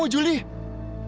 udah mau di rehel